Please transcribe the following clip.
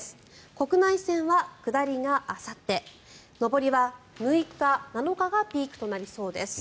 国内線は下りがあさって上りは６日、７日がピークとなりそうです。